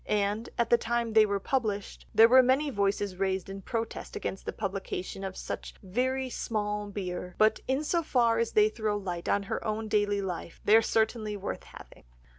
And at the time they were published there were many voices raised in protest against the publication of such very "small beer," but in so far as they throw light on her own daily life they are certainly worth having.